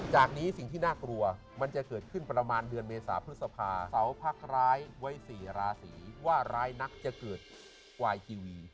จากนี้สิ่งที่น่ากลัวมันจะเกิดขึ้นประมาณเดือนเมษาพฤษภาเสาพักร้ายไว้๔ราศีว่าร้ายนักจะเกิดวายทีวี